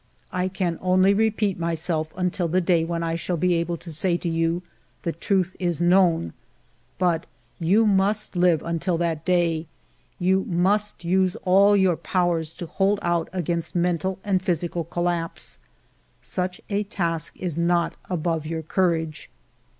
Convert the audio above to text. " I can only repeat myself, until the day when I shall be able to say to you, * The truth is known.' But you must live until that day, you must use all your powers to hold out against mental and physical collapse ; such a task is not above your courage.